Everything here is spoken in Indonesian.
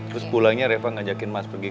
terus pulangnya reva ngajakin mas pergi ke rumahnya